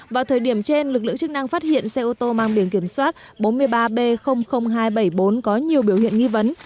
vào thời điểm trên lực lượng chức năng phát hiện xe ô tô mang biển kiểm soát bốn mươi ba b hai trăm bảy mươi bốn có nhiều biểu hiện nghi vấn